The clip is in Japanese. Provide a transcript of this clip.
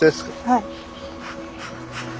はい。